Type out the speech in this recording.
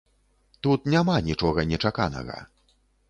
Тут няма нічога нечаканага.